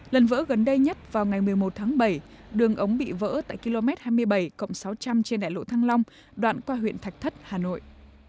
lần vỡ gần đây nhất vào ngày một mươi một tháng bảy đường ống bị vỡ tại km hai mươi bảy cộng sáu trăm linh trên đại lộ thăng long đoạn qua huyện thạch thất hà nội